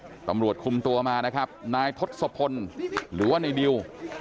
ตำรวจคุมตัวมานะครับนายทศพลหรือว่าในดิว